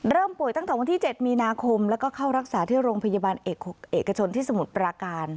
ป่วยตั้งแต่วันที่๗มีนาคมแล้วก็เข้ารักษาที่โรงพยาบาลเอกชนที่สมุทรปราการ